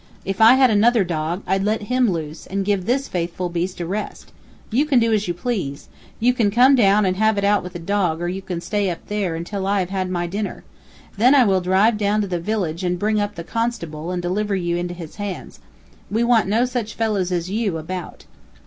If I had another dog, I'd let him loose, and give this faithful beast a rest. You can do as you please. You can come down and have it out with the dog, or you can stay up there, until I have had my dinner. Then I will drive down to the village and bring up the constable, and deliver you into his hands. We want no such fellows as you about."